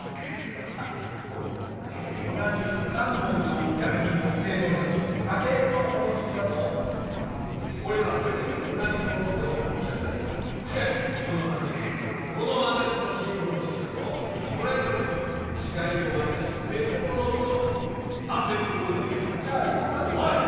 あっ工場同じ３本の薬品を製造したとしよう科検の方式だとこれらはすべて同じものとみなされるしかしこの私のこの私の新方式だとそれぞれの違いを割り出し別物と判別することができるじゃあ羊羹においっ！